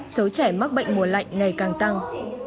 số trẻ mắc bệnh mùa lạnh ngày càng tăng